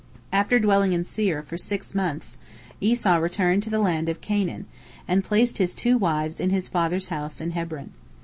After dwelling in Seir for six months, Esau returned to the land of Canaan, and placed his two wives in his father's house in Hebron.